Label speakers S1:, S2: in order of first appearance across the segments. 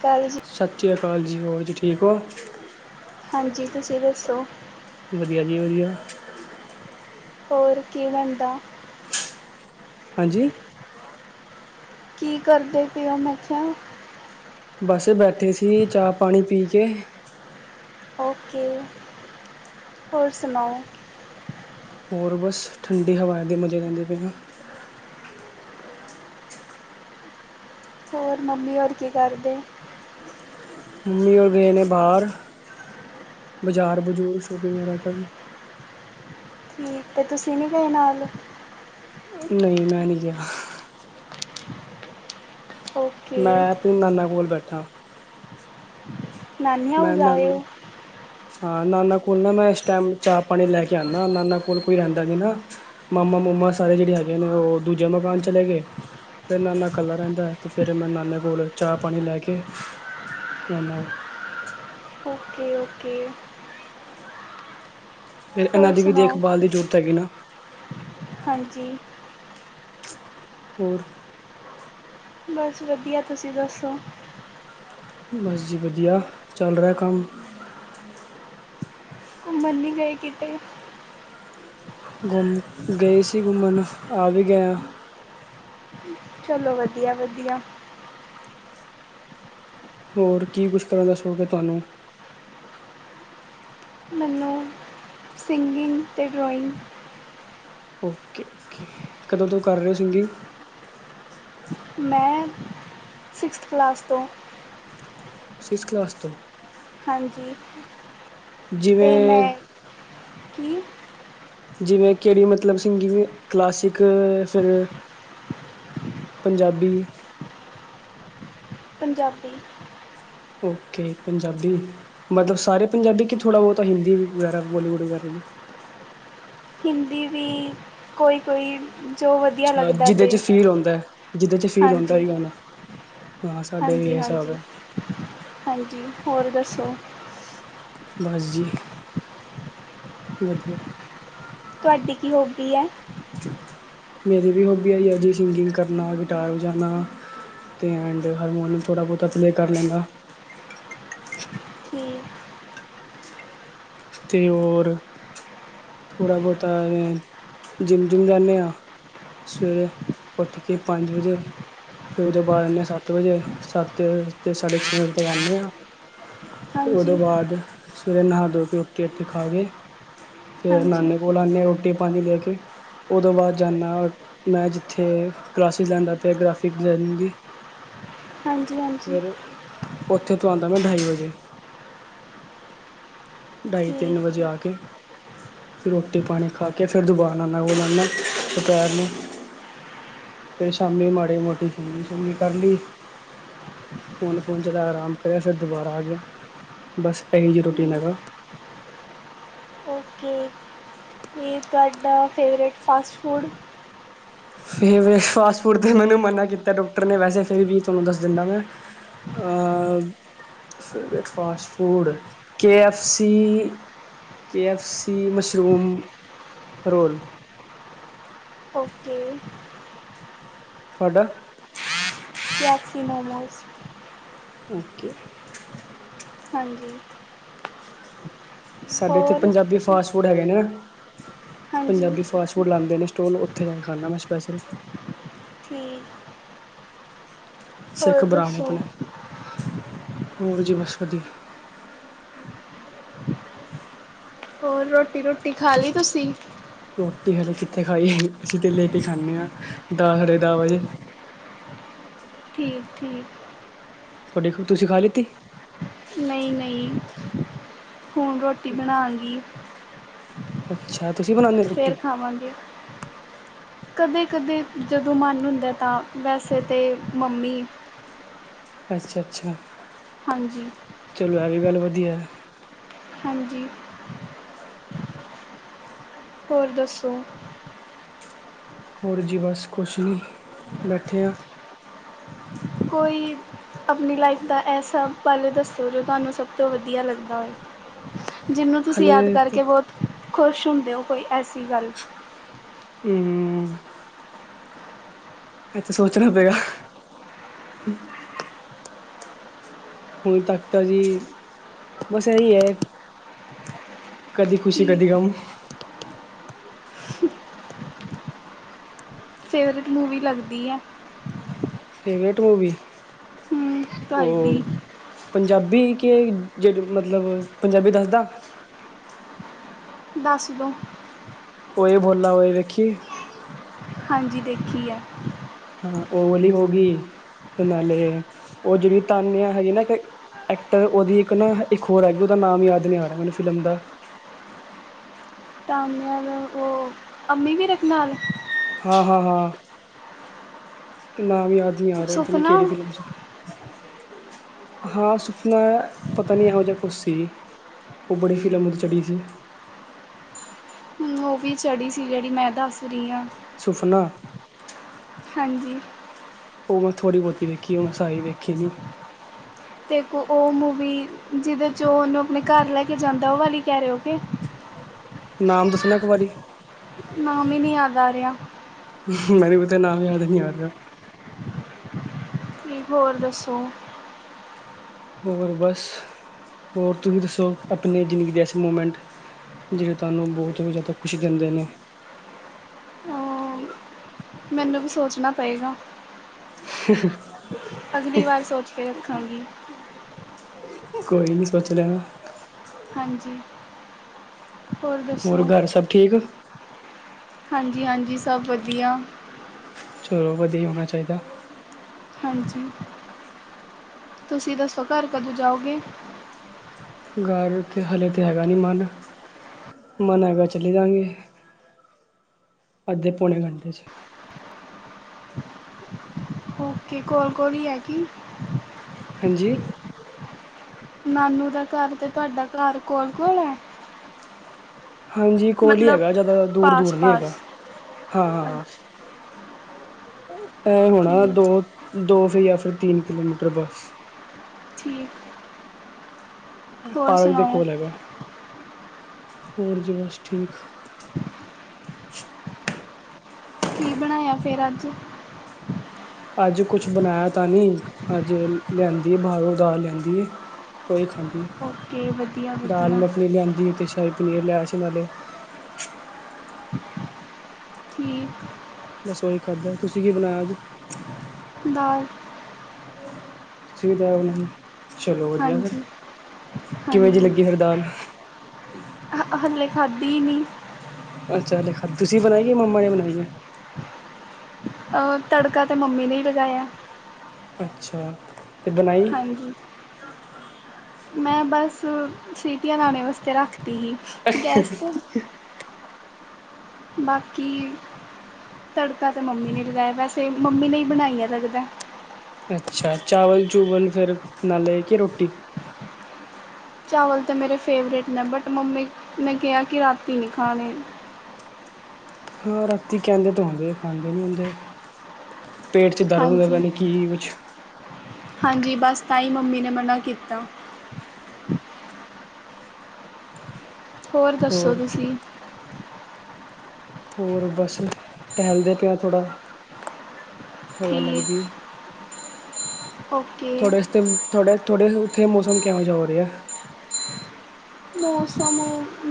S1: ਕਾਲ ਜੀ
S2: ਸਤਿ ਸ਼੍ਰੀ ਅਕਾਲ ਜੀ, ਹੋਰ ਜੀ ਠੀਕ ਹੋ
S1: ਹਾਂਜੀ ਤੁਸੀਂ ਦੱਸੋ
S2: ਵਧੀਆ ਜੀ ਵਧੀਆ
S1: ਹੋਰ ਕੀ ਬਣਦਾ
S2: ਹਾਂਜੀ
S1: ਕੀ ਕਰਦੇ ਪਿਓ ਮੈਂ ਖਿਆ
S2: ਬਸ ਬੈਠੇ ਸੀ, ਚਾਹ ਪਾਣੀ ਪੀ ਕੇ
S1: ਔਕੇ ਹੋਰ ਸੁਣਾਓ
S2: ਹੋਰ ਬਸ, ਠੰਡੀ ਹਵਾ ਦੇ ਮਜ਼ੇ ਲੈਂਦੇ ਪਏ ਹ
S1: ਹੋਰ ਮੰਮੀ ਹੋਰ ਕੀ ਕਰਦੇ
S2: ਮੰਮੀ, ਔ ਗਏ ਨੇ ਬਾਹਰ ਬਜ਼ਾਰ ਬਜੂਰ ਸ਼ੋਪਿੰਗ ਵਗੈਰਾ ਕਰਨ
S1: ਠੀਕ, ਤੇ ਤੁਸੀਂ ਨੀ ਗਏ ਨਾਲ
S2: ਨਹੀਂ ਮੈਂ ਨਹੀਂ ਗਿਆ।
S1: ਓਕੇ
S2: ਮੈਂ ਆਪਣੇ ਨਾਨਾ ਕੋਲ ਬੈਠਾ
S1: ਨਾਨੀ
S2: ਮੈਂ
S1: ਹਾਊਸ ਆਏ
S2: ਨਾਨਾ
S1: ਔ
S2: ਹਾਂ ਨਾਨਾ ਕੋਲ ਨਾ ਮੈਂ ਇਸ ਟਾਈਮ ਚਾਹ ਪਾਣੀ ਲੈ ਕੇ ਆਉਂਦਾ, ਨਾਨਾ ਕੋਲ ਕੋਈ ਰਹਿੰਦਾ ਨਹੀਂ ਨਾ। ਮਾਮਾ ਮਮਾ ਸਾਰੇ ਜਿਹੜੇ ਹੈਗੇ ਨੇ, ਉਹ ਦੂਜੇ ਮਕਾਨ ਚਲੇ ਗਏ। ਫਿਰ ਨਾਨਾ ਇਕੱਲਾ ਰਹਿੰਦਾ ਹੈ, ਤੇ ਫਿਰ ਮੈਂ ਨਾਨੇ ਕੋਲ ਚਾਹ ਪਾਣੀ ਲੈ ਕੇ ਮਨਾ
S1: ਓਕੇ ਓਕੇ
S2: ਫਿਰ ਇਹਨਾਂ
S1: ਹੋਰ
S2: ਦੀ ਵੀ
S1: ਸੁਣਾਓ
S2: ਦੇਖਭਾਲ ਦੀ ਜ਼ਰੂਰਤ ਹੈਗੀ ਨਾ।
S1: ਹਾਂਜੀ
S2: ਹੋਰ।
S1: ਬਸ ਵਧੀਆ ਤੁਸੀਂ ਦੱਸੋ?
S2: ਬਸ ਜੀ ਵਧੀਆ ਚੱਲ ਰਿਹਾ ਕੰਮ।
S1: ਘੁੰਮਣ ਨਹੀਂ ਗਏ ਕਿਤੇ?
S2: ਘੁੰਮ ਗਏ ਸੀ ਘੁੰਮਣ ਆ ਵੀ ਗਏ ਹਾਂ।
S1: ਚਲੋ ਵਧੀਆ ਵਧੀਆ।
S2: ਹੋਰ ਕੀ ਕੁਛ ਕਰਨ ਦਾ ਸ਼ੌਕ ਹੈ ਤੁਹਾਨੂੰ?
S1: ਮੈਨੂੰ ਸਿੰਗਿੰਗ ਅਤੇ ਡਰਾਇੰਗ।
S2: ਓਕੇ ਓਕੇ ਕਦੋਂ ਤੋਂ ਕਰ ਰਹੇ ਹੋ ਸਿੰਗਿੰਗ?
S1: ਮੈਂ ਸਿਕਸਥ ਕਲਾਸ ਤੋਂ।
S2: ਸਿਕਸ ਕਲਾਸ ਤੋਂ?
S1: ਹਾਂਜੀ। ਅਤੇ
S2: ਜਿਵੇਂ
S1: ਮੈਂ ਕੀ?
S2: ਜਿਵੇਂ ਕਿਹੜੀ ਮਤਲਬ ਸਿੰਗਿੰਗ ਕਲਾਸਿਕ ਫਿਰ। ਪੰਜਾਬੀ।
S1: ਪੰਜਾਬੀ।
S2: ਓਕੇ ਪੰਜਾਬੀ ਮਤਲਬ ਸਾਰੇ ਪੰਜਾਬੀ ਕਿ ਥੋੜ੍ਹਾ ਬਹੁਤਾ ਹਿੰਦੀ ਵਗੈਰਾ ਬੋਲੀਵੁੱਡ ਵਗੈਰਾ ਨੇ।
S1: ਹਿੰਦੀ ਵੀ ਕੋਈ ਕੋਈ। ਜੋ ਵਧੀਆ
S2: ਅੱਛਾ
S1: ਲੱਗਦਾ
S2: ਜਿਹਦੇ
S1: ਅਤੇ
S2: 'ਚ ਫੀਲ ਹੁੰਦਾ ਜਿਹਦੇ 'ਚ ਫੀਲ ਹੁੰਦਾ
S1: ਹਾਂਜੀ।
S2: ਉਹੀ ਗਾਣਾ ਹਾਂ ਸਾਡਾ ਵੀ ਇਹ
S1: ਹਾਂਜੀ
S2: ਹਿਸਾਬ
S1: ਹਾਂਜੀ
S2: ਹੈ
S1: ਹਾਂਜੀ ਹੋਰ ਦੱਸੋ?
S2: ਬਸ ਜੀ ਵਧੀਆ।
S1: ਤੁਹਾਡੀ ਕੀ ਹੋਬੀ ਹੈ।
S2: ਮੇਰੀ ਵੀ ਹੋਬੀ ਆਈ ਆ ਜੀ ਸਿੰਗਿੰਗ ਕਰਨਾ ਗਿਟਾਰ ਵਜਾਉਣਾ। ਅਤੇ ਐਂਡ ਹਾਰਮੋਨੀਅਮ ਥੋੜ੍ਹਾ ਬਹੁਤਾ ਪਲੇਅ ਕਰ ਲੈਂਦਾ।
S1: ਠੀਕ
S2: ਅਤੇ ਹੋਰ। ਥੋੜਾ ਬਹੁਤਾ ਅ ਜਿੰਮ ਜੁਮ ਜਾਂਦੇ ਆਂ। ਸਵੇਰੇ ਉੱਠ ਕੇ ਪੰਜ ਵਜੇ। ਫਿਰ ਉਹਦੇ ਬਾਅਦ ਆਉਦੇ ਹਾਂ ਸੱਤ ਵਜੇ ਸੱਤ ਸਾਢੇ ਛੇ ਵਜੇ ਤੱਕ ਆਉਂਦੇ ਹਾਂ। ਅਤੇ ਉਹ ਤੋਂ
S1: ਹਾਂਜੀ
S2: ਬਾਅਦ ਸਵੇਰੇ ਨਹਾ ਧੋ ਕੇ ਰੋਟੀ ਰਾਟੀ ਖਾ ਕੇ। ਫੇਰ
S1: ਹਾਂਜੀ
S2: ਨਾਨੇ ਕੋਲ ਆਓਨੇ ਆ ਰੋਟੀ ਪਾਣੀ ਲੈ ਕੇ। ਉਹ ਤੋਂ ਬਾਅਦ ਜਾਂਦਾ ਮੈਂ ਜਿੱਥੇ ਕਲਾਸਿਸ ਲੈਂਦਾ ਪਿਆ ਗ੍ਰਾਫਿਕ ਡਿਜ਼ਾਇਨਿੰਗ ਦੀ।
S1: ਹ
S2: ਫਿਰ ਉੱਥੇ ਤੋ ਆਂਦਾ ਮੈਂ ਢਾਈ ਵਜੇ। ਢਾਈ ਤਿੰਨ
S1: ਠੀਕ
S2: ਵਜੇ ਆ ਕੇ। ਫਿਰ ਰੋਟੀ ਪਾਣੀ ਖਾ ਕੇ ਫਿਰ ਦੁਬਾਰਾ ਉਹਨਾਂ ਨੂੰ ਦੁਪਹਿਰ ਨੂੰ। ਅਤੇ ਸ਼ਾਮੀ ਮਾੜੀ ਮੋਟੀ ਫਿਲਮ ਘੁੰਮੀ ਸ਼ੁਮੀ ਕਰ ਲਈ। ਫੋਨ ਫੋਨ ਚਲਾ ਆਰਾਮ ਕਰਿਆ ।ਫਿਰ ਦੁਬਾਰਾ ਆ ਗਏ ਬਸ ਇਹੀ ਜਿਹੀ ਰੂਟੀਨ ਹੈਗਾ।
S1: ਓਕੇ ਤੁਹਾਡਾ favourite fast food?
S2: Favourite fast food ਦਾ ਮੈਨੂੰ ਮਨਾ ਕੀਤਾ ਡਾਕਟਰ ਨੇ ਵੈਸੇ ਫਿਰ ਵੀ ਤੁਹਾਨੂੰ ਦੱਸ ਦਿੰਦਾ ਮੈਂ। ਅ favourite fast food K F C. K F C, mushroom roll.
S1: Okay.
S2: ਤੁਹਾਡਾ
S1: ਐਫ ਸੀ ਮੋਮੋਜ਼।
S2: ਓ ਕੇ।
S1: ਹਾਂਜੀ।
S2: ਸਾਡੇ ਇੱਥੇ
S1: ਹੋਰ
S2: ਪੰਜਾਬੀ ਫਾਸਟ ਫੂਡ ਹੈਗੇ ਨੇ।
S1: ਹਾਂਜੀ
S2: ਪੰਜਾਬੀ ਫਾਸਟ ਫੂਡ ਲਾਉਂਦੇ ਨੇ। ਡੋ ਉੱਥੇ ਦਾ ਖਾਣਾ ਮੈਂ ਸਪੈਸ਼ਲ
S1: ਠੀਕ ਹੋਰ
S2: ਸਿੱਖ ਭਰਾ
S1: ਦੱਸੋ
S2: ਆਪਣੇ ਹੋਰ ਜੀ ਬਸ ਵਧੀਆ।
S1: ਹੋਰ ਰੋਟੀ ਰੁਟੀ ਖਾ ਲਈ ਤੁਸੀ ।
S2: ਰੋਟੀ ਹਾਲੇ ਕਿੱਥੇ ਖਾਣੀ ਹੈ ।ਅਸੀਂ ਤਾਂ ਲੇਟ ਖਾਂਦੇ ਹਾਂ। ਦੱਸ ਹਰੇੇ ਦੱਸ ਵਜੇ
S1: ਠੀਕ ਠੀਕ
S2: ਰੋਟੀ ਤੁਸੀਂ ਖਾ ਲਿੱਤੀ
S1: ਨਹੀਂ ਨਹੀਂ ਹੁਣ ਰੋਟੀ ਬਣਾਗੀ।
S2: ਅੱਛਾ! ਤੁਸੀਂ ਬਣਾਉਂਦੇ
S1: ਫਿਰ
S2: ਰੋਟੀ
S1: ਖਾਵਾਂਗੇ। ਕਦੇ ਕਦੇ ਜਦੋਂ ਮਨ ਹੁੰਦਾ ਤਾਂ, ਵੈਸੇ ਤਾਂ ਮੰਮੀ,
S2: ਅੱਛਾ, ਅੱਛਾ
S1: ਹਾਂਜੀ
S2: ਚਲੋ! ਇਹ ਵੀ ਗੱਲ ਵਧੀਆ।
S1: ਹਾਂਜੀ ਹੋਰ ਦੱਸੋ।
S2: ਹੋਰ ਜੀ ਬਸ ਕੁਛ ਨਹੀਂ, ਬੈਠੇ ਅ
S1: ਕੋਈ ਆਪਣੀ ਲਾਈਫ ਦਾ ਐ ਸਾਭ ਬਾਰੇ ਦੱਸੋ, ਜੋ ਤੁਹਾਨੂੰ ਸਭ ਤੋਂ ਵਧੀਆ ਲੱਗਦਾ ਹੋਵੇ। ਜਿਹਨੂੰ ਤੁਸੀਂ ਯਾਦ
S2: ਹਾਲੇ ਤ
S1: ਕਰਕੇ ਬਹੁਤ ਖੁਸ਼ ਹੁੰਦੇ ਹੋ ।ਕੋਈ ਐਸੀ ਗੱਲ
S2: [unintelligible] ਇਹ ਤਾਂ ਸੋਚਣਾ ਪਏਗਾ। ਹੁਣ ਤੱਕ ਤਾਂ ਜੀ, ਬਸ ਇਹੀ ਹੈ। ਕਦੀ ਖੁਸ਼ੀ
S1: ਕਿ
S2: ਕਦੀ ਗਮ
S1: ਫੇਵਰਟ ਮੂਵੀ ਲੱਗਦੀ ਹੈ।
S2: ਫੇਵਰੇਟ ਮੂਵੀ,
S1: ਹੂੰ
S2: ਉਹ
S1: ਤੁਹਾਡੀ
S2: ਪੰਜਾਬੀ। ਬ ਕੇ ਜੜ ਮਤਲਬ ਪੰਜਾਬੀ ਦੱਸਦਾ।
S1: ਦਸ ਦੋ
S2: ਉਹੀ ਬੋਲਾ ਓਈ ਦੇਖੀ
S1: ਹਾਂਜੀ ਦੇਖੀਏ ਹੈ।
S2: ਹਾਂ। ਉਹ ਵਾਲੀ ਹੋ ਗਈ। ਤੇ ਨਾਲੇ ਉਹ ਜਿਹੜੀ ਤਾਣਿਆ ਹੈਗੀ ਐਕਟਰ, ਉਹਦੀ ਇੱਕ ਨਾ ਇੱਕ ਹੋਰ ਹੈਗੀ। ਉਹਦਾ ਨਾਮ ਯਾਦ ਨਹੀਂ ਆ ਰਿਹਾ ਮੈਨੂੰ ਫਿਲਮ ਦਾ।
S1: [inaudible] ਤਾਂਨਿਆ ਉਹ ਅੰਮੀ ਵੀ ਰੱਖ ਨਾ ਲਾਲ
S2: ਹਾਂ- ਹਾਂ -ਹਾਂ ਨਾਮ ਯਾਦ ਨਹੀਂ ਆ ਰਿਹਾ ।ਪਤਾ ਨਹੀਂ
S1: ਸੁਫਨਾ
S2: ਕਿਹੜੀ ਫਿਲਮ ਸੀ। ਹਾਂ ਸੁਫਨਾ, ਪਤਾ ਨਹੀਂ ਇਹੋ ਜਿਹਾ ਕੁਝ ਸੀ। ਉਹ ਬੜੀ ਫਿਲਮ ਉੱ ' ਚੜੀ ਸੀ।
S1: ਮੂਵੀ ਚੜੀ ਸੀ। ਜਿਹੜੀ ਮੈਂ ਦੱਸ ਰਹੀ ਹਾਂ।
S2: ਸੁਫਨਾ
S1: ਹਾਂਜੀ
S2: ਉਹ ਮੈਂ ਥੋੜੀ ਬਹੁਤੀ ਦੇਖੀ। ਮੈਂ ਸਾਰੀ ਦੇਖੀ ਨਹੀਂ।
S1: ਅਤੇ ਇੱਕ ਉਹ ਮੂਵੀ ਜਿਹਦੇ ' ਉਹ ਉਹਨੂੰ ਆਪਣੇ ਘਰ ਲੈ ਕੇ ਜਾਂਦਾ। ਉਹ ਵਾਲੀ ਹੀ ਕਹਿ ਰਹੇ ਹੋ ਕਿ
S2: ਨਾਮ ਦੱਸਣਾ ਇੱਕ ਵਾਰੀ।
S1: ਨਾਮ ਹੀ ਨੀ ਯਾਦ ਆ ਰਿਹਾਂ।
S2: ਮੈਂਵੀ ਪਤਾ ਨਾਮ ਯਾਦ ਨਹੀਂ ਆ ਰਿਹਾ।
S1: ਕੀ ਹੋਰ ਦੱਸੋ।
S2: 'ਹੋਰ ਬਸ, ਹੋਰ ਤੁਸੀਂ ਦੱਸੋ ਆਪਣੇ ਜ਼ਿੰਦਗੀ ਦੇ ਐਸੇ ਮੂਮੈਂਟ। ਜਿਹੜੇ ਤੁਹਾਨੂੰ ਬਹੁਤ ਹੀ ਜ਼ਿਆਦਾ ਖੁਸ਼ੀ ਦਿੰਦੇ ਨੇ।
S1: ਹਾਂਆ। ਮੈਨੂੰ ਵੀ ਸੋਚਣਾ ਪਏਗਾ।
S2: [unintelligible]
S1: ਅਗਲੀ ਵਾਰ ਸੋਚ ਕੇ ਰੱਖਾਂਗੀ।
S2: ਕੋਈ ਨੀ ਸੋਚ ਲੈਣਾ।
S1: ਹਾਂਜੀ।
S2: ਹੋਰ, ਘਰ ਸਭ ਠੀਕ।
S1: ਹਾਂਜੀ- ਹਾਂਜੀ ਸਭ ਵਧੀਆ।
S2: ਚਲੋ ਵਧੀਆ ਹੋਣਾ ਚਾਹੀਦਾ।
S1: ਹਾਂਜੀ, ਤੁਸੀਂ ਦੱਸੋ ਘਰ ਕਦੋਂ ਜਾਓਗੇ।
S2: ਘਰ ਤੇ ਹਲੇ ਤਾਂ ਹੈਗਾ ਨੀ ਮਨ। ਮਨ ਹੈਗਾ, ਚਲੇ ਜਾਂਗੇ। ਅੱਧੇ ਪੌਣੇ ਘੰਟੇ ਚ।
S1: ਕੀ ਕੋਲ- ਕੋਲ ਈ ਹੈ ਕੀ?
S2: ਹਾਂਜੀ।
S1: ਨਾਨੂੰ ਦਾ ਘਰ ਤੇ ਤੁਹਾਡਾ ਘਰ ਕੋਲ-ਕੋਲ ਐ।
S2: ਹਾਂਜੀ ਕੋਲ ਈ ਹੈਗਾ, ਜ਼ਿਆਦਾ ਦੂਰ
S1: ਪਾਸ
S2: -ਦੂਰ ਨੀ ਹੈਗਾ
S1: ਪਾਸ
S2: ਹਾਂ- ਹਾਂ।
S1: ਅੱਛਾ
S2: ਇਹ ਹੋਣਾ
S1: ਠੀਕ
S2: ਦੋ- ਦੋ ਫਿਰ ਜਾਂ ਫਿਰ ਤਿੰਨ ਕਿਲੋਮੀਟਰ ਬਸ।
S1: ਠੀਕ ਹੋਰ
S2: ਪਾਰਕ ਦੇ
S1: ਸੁਣਾਓ
S2: ਕੋਲ ਹੈਗਾ। ਹੋਰ ਜੀ ਬਸ ਠੀਕ।
S1: ਕੀ ਬਣਾਇਆ ਫੇਰ ਅੱਜ?
S2: ਅੱਜ ਕੁਛ ਬਣਾਇਆ ਤਾਂ ਨਹੀਂ, ਅੱਜ ਲਿਆਂਦੀ ਬਾਹਰੋਂ ਦਾਲ ਲਿਆਂਦੀ ਏ। ਉਹੀ ਖਾਂਦੀ
S1: ਓਕੇ ਵਧੀਆ
S2: ਦਾਲ
S1: ਵਧੀਆ
S2: ਮੱਖਣੀ ਲਿਆਂਦੀ, ਤੇ ਸ਼ਾਹੀ ਪ ਪਨੀਰ ਲਿਆਇਆ ਸੀ ਨਾਲੇ।
S1: ਠੀਕ।
S2: ਬਸ ਉਹੀ ਖਾਧਾ, ਤੁਸੀਂ ਕੀ ਬਣਾਇਆ ਏ ਅੱਜ।
S1: ਦਾਲ
S2: ਤੁਸੀਂ ਵੀ ਦਾਲ ਬਣਾਈ ਏ, ਚਲੋ ਵਧੀਆ, ਫਿਰ
S1: ਹਾਂਜੀ
S2: ਕਿਵੇਂ ਜੇ ਲੱਗੀ ਫਿਰ ਦਾਲ।
S1: ਹਾਂ, ਹਲੇ ਖਾਧੀ ਨੀ।
S2: ਅੱਛਾ ਤੇ ਦਾਲ ਤੁਸੀਂ ਬਣਾਈਏ ਜਾਂ ਮੰਮਾ ਨੇ ਬਣਾਈ ਏ।
S1: ਅਹ ਤੜਕਾ ਤੇ ਮੰਮੀ ਨੇ ਹੀ ਲਗਾਇਆ।
S2: ਅੱਛਾ। ਬਣਾਈ
S1: ਹਾਂਜੀ। ਮੈਂ ਬਸ ਸੀਟੀਆਂ ਲਾਣੇ ਵਾਸਤੇ ਰੱਖਤੀ ਹੀ ਗੈਸ ਤੇ ਬਾਕੀ ਤੜਕਾ ਤਾਂ ਮੰਮੀ ਨੇ ਈ ਲਗਾਇਆ, ਵੈਸੇ ਮੰਮੀ ਨੇ ਬਣਾਈ ਐ ਲੱਗਦਾ।
S2: ਅੱਛਾ, ਚਾਵਲ-ਚੂਵਲ ਫਿਰ ਨਾਲੇ ਕੀ ਰੋਟੀ।
S1: ਚਾਵਲ ਤਾਂ ਮੇਰੇ ਫੇਵਰਿਟ ਨੇ, ਬਟ ਮੰਮੀ ਨੇ ਕਿਹਾ ਕਿ ਰਾਤੀਂ ਨਹੀਂ ਖਾਣੇ।
S2: ਹਾਂ, ਰਾਤੀ ਕਹਿੰਦੇ ਤੇ ਹੁੰਦੇ ਨੇ ਖਾਂਦੇ ਨੀ ਹੁੰਦੇ । ਪੇਟ ਚ ਦਰਦ ਹੁੰਦਾ, ਪਤਾ
S1: ਹਾਂਜੀ
S2: ਨਹੀਂ ਕੀ-ਕੀ ਕੁਛ
S1: ਹਾਂਜੀ, ਬਸ ਤਾਂਹੀ ਮੰਮੀ ਨੇ ਮਨਾ ਕੀਤਾ। ਹੋਰ ਦੱਸੋ ਤੁਸੀਂ
S2: ਹੋਰ ਬਸ, ਟਹਿਲਦੇ ਪਏ ਆ ਥੋੜਾ। ਹਵਾ
S1: ਠੀਕ
S2: ਲੱਗਦੀ ਏ।
S1: ਓਕੇ।
S2: ਥੋੜੇ ਉਸ ਤੇ, ਥੋੜੇ -ਥੋੜੇ ਉੱਥੇ ਮੌਸਮ ਕਿਹੋ ਜਾ ਹੋ ਰਿਹਾ ਏ।
S1: ਮੌਸਮ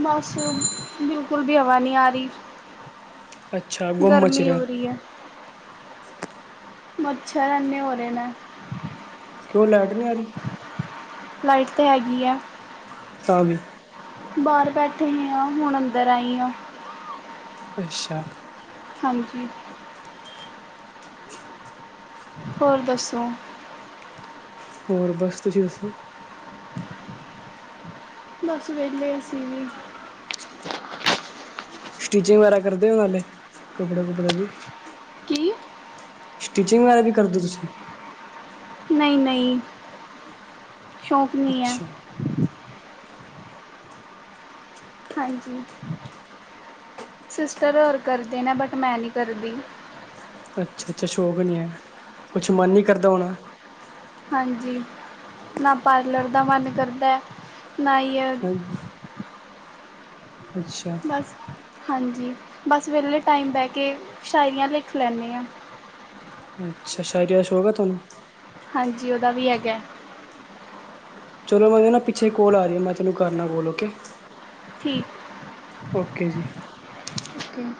S1: -ਮੌਸਮ ਬਿਲਕੁਲ ਵੀ ਹਵਾ ਨਹੀਂ ਆ ਰਹੀ।
S2: ਅੱਛਾ ਗੁੰਮ ਮਚ
S1: ਗਰਮੀ ਹੋ
S2: ਰਿਹਾ।
S1: ਰਹੀ ਹੈ। ਮੱਛਰ ਐਨੇ ਹੋ ਰਹੇ ਨੇ।
S2: ਕਿਉਂ ਲੈਟ ਨੀ ਆ ਰੀ।
S1: ਲਾਈਟ ਤਾਂ ਹੈਗੀ ਐ।
S2: ਤਾਂ ਵੀ
S1: ਬਾਹਰ ਬੈਠੇ ਹੀ ਆ, ਹੁਣ ਅੰਦਰ ਆਈ ਆ।
S2: ਅੱਛਾ।
S1: ਹਾਂਜੀ। ਹੋਰ ਦੱਸੋ।
S2: ਹੋਰ ਬਸ ਤੁਸੀਂ ਦੱਸੋ।
S1: ਬਸ ਵੇਹਲੇ ਅਸੀਂ ਵੀ।
S2: ਸਟਿਚਿੰਗ ਵਗੈਰਾ ਕਰਦੇ ਹੋ ਹਾਲੇ, ਕਪੜੇ ਕੁਪੜੇ ਦੀ।
S1: ਕੀ?
S2: ਸਟਿਚਿੰਗ ਵਗੈਰਾ ਵੀ ਕਰਦੇ ਤੁਸੀਂ?
S1: ਨਹੀਂ ਨਹੀਂ। ਸ਼ੌਕ ਨਹੀਂ ਐ।
S2: ਅੱਛਾ
S1: ਹਾਂਜੀ। ਸਿਸਟਰ ਹੋਰ ਕਰਦੇ ਨੇ ਬਟ ਮੈਂ ਨਹੀਂ ਕਰਦੀ।
S2: ਅੱਛਾ ਅੱਛਾ ਸ਼ੌਕ ਨਹੀਂ ਐ, ਕੁਛ ਮਨ ਨਹੀਂ ਕਰਦਾ ਹੋਣਾ।
S1: ਹਾਂਜੀ, ਨਾ ਪਾਰਲਰ ਦਾ ਮਨ ਕਰਦਾ ਆ।
S2: ਹਾਂਜੀ
S1: [unintelligible]
S2: ਅੱਛਾ
S1: ਬਸ ਹਾਂਜੀ। ਬਸ ਵੇਹਲੇ ਟਾਈਮ ਬਹਿ ਕੇ ਸ਼ਾਇਰੀਆਂ ਲਿਖ ਲੈਂਦੇ ਆ।
S2: ਅੱਛਾ ਸ਼ਾਇਰੀ ਦਾ ਸ਼ੌਕ ਹੈ ਤੁਹਾਨੂੰ।
S1: ਜੀ ਉਹਦਾ ਵੀ ਹੈਗਾ।
S2: ਚਲੋ ਮੈਨੂੰ ਨਾ ਪਿੱਛੇ ਕੋਲ ਆ ਰਹੀ ਏ, ਮੈਂ ਤੁਹਾਨੂੰ ਕਰਨਾ ਕੋਲ ਓਕੇ।
S1: ਠੀਕ।
S2: ਓਕੇ ਜੀ।
S1: ਹੈ